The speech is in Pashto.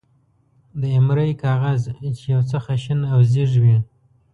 د ایمرۍ کاغذ، چې یو څه خشن او زېږ وي.